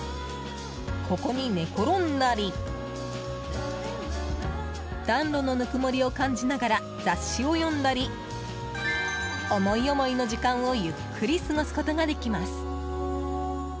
ここに寝転んだり暖炉のぬくもりを感じながら雑誌を読んだり思い思いの時間をゆっくり過ごすことができます。